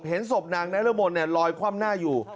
เห็นศพนางนรมนลอยคว่ำหน้าอยู่